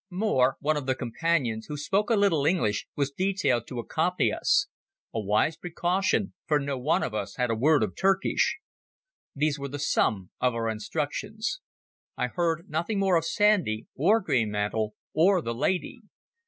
More, one of the Companions, who spoke a little English, was detailed to accompany us—a wise precaution, for no one of us had a word of Turkish. These were the sum of our instructions. I heard nothing more of Sandy or Greenmantle or the lady.